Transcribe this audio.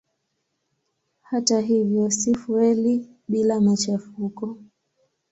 Hata hivyo si fueli bila machafuko.